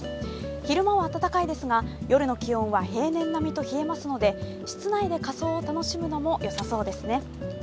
昼間は暖かいですが、夜の気温は平年並みと冷えますので室内で仮装を楽しむのもよさそうですね。